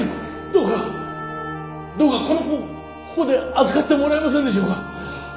どうかどうかこの子をここで預かってもらえませんでしょうか。